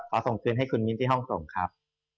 ส่งคืนให้คุณมิ้นที่ห้องส่งครับ